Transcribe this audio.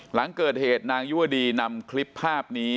หลังเกิดเหตุนางยุวดีนำคลิปภาพนี้